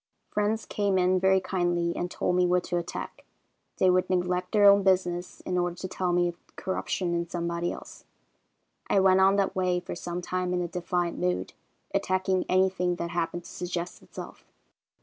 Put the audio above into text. "Friends came in very kindly and told me what to attack. They would neglect their own business in order to tell me of corruption in somebody else. I went on that way for some time in a defiant mood, attacking anything that happened to suggest itself.